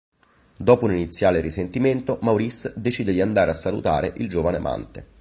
Dopo un iniziale risentimento, Maurice decide di andare a salutare il giovane amante.